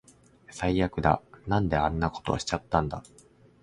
最悪だ。なんであんなことしちゃったんだ